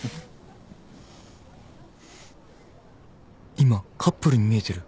今カップルに見えてる。